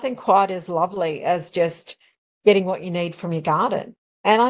tidak ada yang lebih indah dari mendapatkan apa yang anda butuhkan dari hutan anda